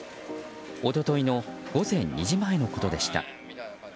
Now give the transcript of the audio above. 一昨日の午前２時前のことでした。